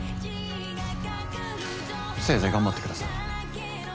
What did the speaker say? せいぜい頑張ってください。